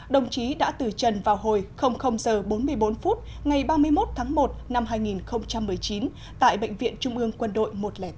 đồng chí đã từ trần vào hồi h bốn mươi bốn phút ngày ba mươi một tháng một năm hai nghìn một mươi chín tại bệnh viện trung ương quân đội một trăm linh tám